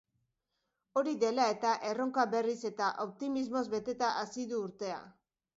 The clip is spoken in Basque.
Hori dela eta, erronka berriz eta optimismoz beteta hasi du urtea.